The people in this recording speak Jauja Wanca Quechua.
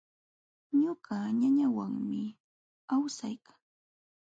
Ñuqa ñañawanmi awsaykaa.